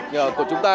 đến với hà nội